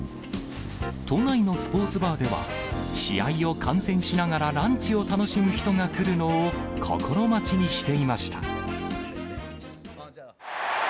都内のスポーツバーでは、試合を観戦しながらランチを楽しむ人が来るのを心待ちにしていました。